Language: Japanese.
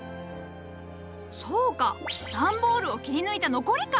そうか段ボールを切り抜いた残りか。